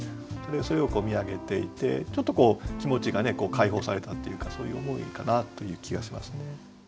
それを見上げていてちょっとこう気持ちが解放されたっていうかそういう思いかなという気がしますね。